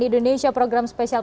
di indonesia program spesial